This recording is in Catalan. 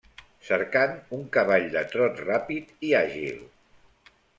Cercant un cavall de trot ràpid i àgil.